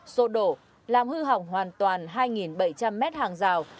xô đổ làm hư hỏng hoàn toàn hai bảy trăm linh mét hàng rào